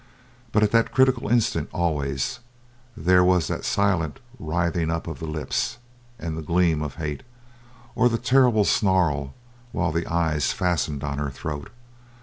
But at the critical instant always there was the silent writhing up of the lips and the gleam of hate or the terrible snarl while the eyes fastened on her throat.